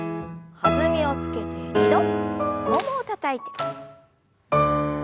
弾みをつけて２度ももをたたいて。